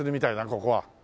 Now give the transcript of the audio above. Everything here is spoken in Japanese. ここは。